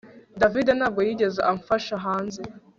David ntabwo yigeze amfasha hanze